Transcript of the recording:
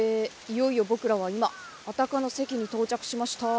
いよいよ僕らは今安宅の関に到着しました。